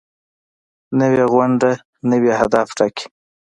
نوې غونډه نوي اهداف ټاکي